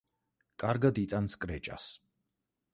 კარგად იტანს კრეჭას.